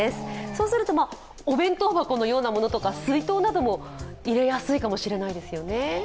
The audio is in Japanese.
そうすると、お弁当箱のようなものとか水筒なども入れやすいかもしれないですよね。